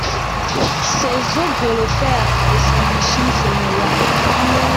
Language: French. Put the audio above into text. Ses os grelottèrent, et son échine se mouilla.